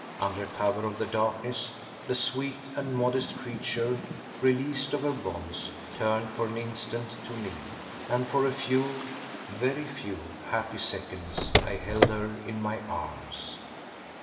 Under cover of the darkness the sweet and modest creature, released of her bonds, turned for an instant to me, and for a few, very few, happy seconds I held her in my arms.